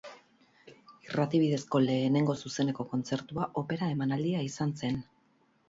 Irrati bidezko lehenengo zuzeneko kontzertua opera emanaldia izan zen.